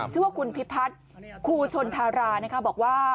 ชื่อว่าคุณพิพัฒน์ครูชนธารานะคะบอกว่า